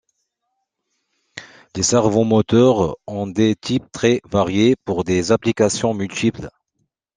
Les servomoteurs ont des types très variés pour des applications multiples.